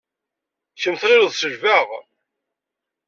Kemm tɣileḍ selbeɣ?